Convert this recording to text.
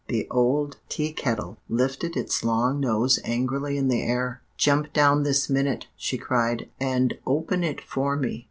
"The old Tea Kettle lifted its long nose angrily in the air. 'Jump down this minute,' she cried, 'and open it for me.